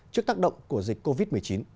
trước tác động của dịch covid một mươi chín